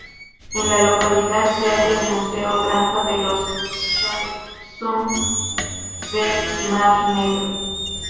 En la localidad se halla el Museo "Granja de los Shapsug del Mar Negro".